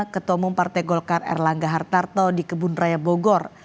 ketua umum partai golkar erlangga hartarto di kebun raya bogor